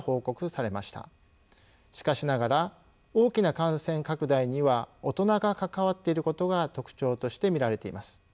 しかしながら大きな感染拡大には大人が関わっていることが特徴として見られています。